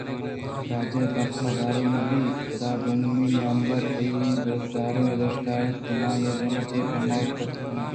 راجے ءِ دپ دارگ نہ بیت پدادومی نیمگ ءَ تئی دوستدار یا دشتار اِنت کہ ماآئی ءِ دیمءَ چے پیم اوشتات کناں